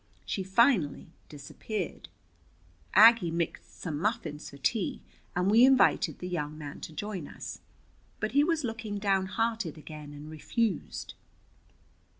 She finally disappeared. Aggie mixed some muffins for tea, and we invited the young man to join us. But he was looking downhearted again and refused.